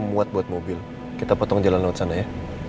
muat buat mobil kita potong jalan laut sana ya